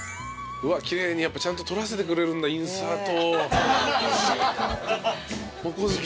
うわっ奇麗にちゃんと撮らせてくれるんだインサートを。